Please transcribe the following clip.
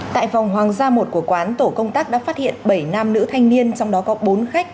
tại vòng hoàng gia một của quán tổ công tác đã phát hiện bảy nam nữ thanh niên trong đó có bốn khách